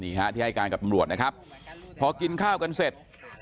ที่ให้การกับตำรวจนะครับพอกินข้าวกันเสร็จ